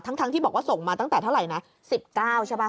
ทั้งที่บอกว่าส่งมาตั้งแต่เท่าไหร่นะ๑๙ใช่ป่ะ